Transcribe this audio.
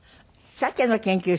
鮭の研究を。